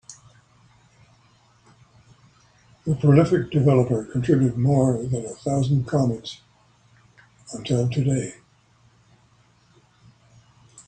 The prolific developer contributed more than a thousand commits until today.